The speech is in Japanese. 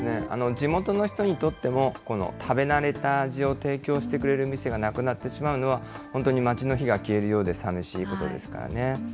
地元の人にとっても、食べ慣れた味を提供してくれる店がなくなってしまうのは本当に町の灯が消えるようでさみしいことですからね。